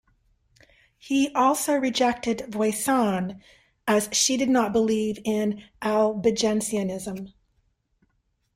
He also rejected Vuissane as she did not believe in Albigensianism.